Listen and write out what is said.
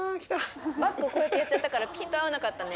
［バッグをこうやってやっちゃったからピント合わなかったね。］